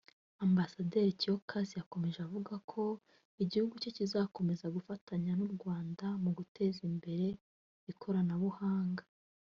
Ambasaderi Kiyokazi yakomeje avuga ko igihugu cye kizakomeza gufatanya n’u Rwanda mu guteza imbere ikoranabuhanga